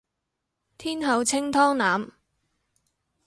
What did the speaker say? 天后清湯腩